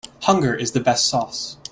Hunger is the best sauce.